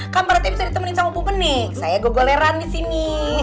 kan pak rete bisa ditemenin sama bu benik saya gogoleran disini